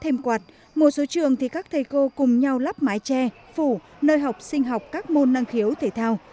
thêm quạt một số trường thì các thầy cô cùng nhau lắp mái tre phủ nơi học sinh học các môn năng khiếu thể thao